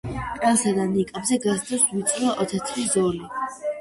ყელსა და ნიკაპზე გასდევს ვიწრო, თეთრი ზოლი.